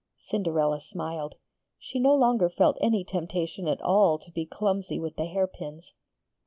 Cinderella smiled. She no longer felt any temptation at all to be clumsy with the hairpins.